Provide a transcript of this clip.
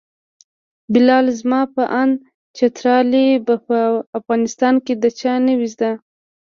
بلاله زما په اند چترالي به په افغانستان کې د چا نه وي زده.